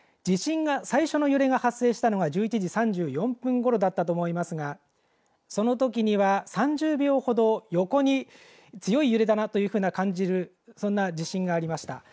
地震が最初の揺れが発生したのが１１時３４分ごろだったと思いますがそのときには３０秒ほど横に強い揺れだなというふうに感じるそんな地震がありました。